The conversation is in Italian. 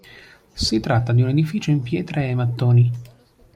Si tratta di un edificio in pietra e mattoni.